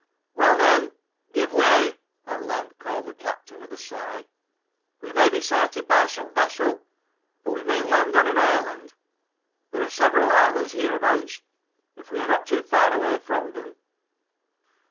"Well, men, give way!" at length called the captain, with a sigh. "We may be sighted by some vessel, or we may land on an island. There are several islands hereabouts, if we are not too far away from them."